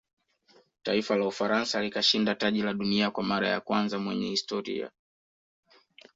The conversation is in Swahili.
taifa la ufaransa likashinda taji la dunia kwa mara ya kwanza mwenye historia